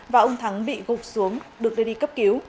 và ông thắng bị gục xuống được đưa đi cấp cứu